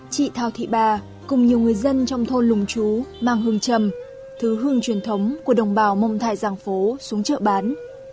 chị thao thị bà cùng nhiều người dân trong thôn lùng chú mang hương trầm thứ hương truyền thống của đồng bào mông thả giàng phố xuống chợ bán